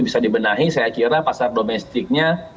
bisa dibenahi saya kira pasar domestiknya